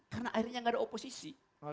karena akhirnya gak ada oposisi